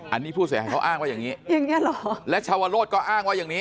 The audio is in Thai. อันนี้ผู้เสียหายเขาอ้างว่าอย่างนี้อย่างเงี้เหรอและชาวโรธก็อ้างว่าอย่างนี้